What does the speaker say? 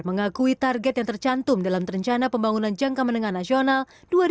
mengakui target yang tercantum dalam terencana pembangunan jangka menengah nasional